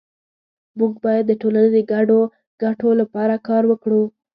مونږ باید د ټولنې د ګډو ګټو لپاره کار وکړو